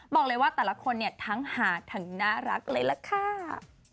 บอกเลยว่าแต่ละคนเนี่ยทั้งหาทั้งน่ารักเลยล่ะค่ะ